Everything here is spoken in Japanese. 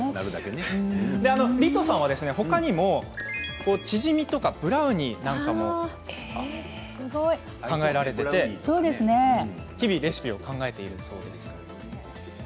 リトさんは、ほかにもチヂミとかブラウニーなんかも考えられていて日々レシピを考えているそうです。